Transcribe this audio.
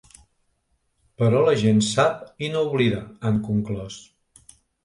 Però la gent sap i no oblida, han conclòs.